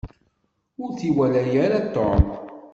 Ur t-iwala ara Tom.